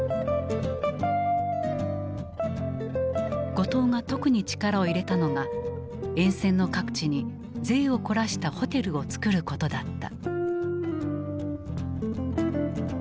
後藤が特に力を入れたのが沿線の各地に贅を凝らしたホテルを造ることだった。